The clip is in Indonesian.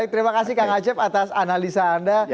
terima kasih kang acep atas analisa anda